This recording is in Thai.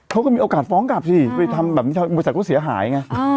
เขาก็มีโอกาสฟ้องกลับสิไปทำแบบนี้บริษัทเขาเสียหายไง